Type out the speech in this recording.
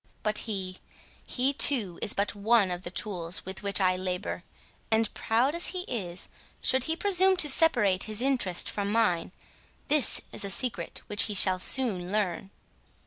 —But he—he, too, is but one of the tools with which I labour; and, proud as he is, should he presume to separate his interest from mine, this is a secret which he shall soon learn."